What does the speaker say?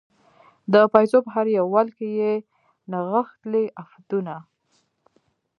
د پایڅو په هر یو ول کې یې نغښتلي عفتونه